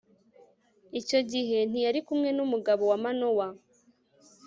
icyo gihe ntiyari kumwe n'umugabo we manowa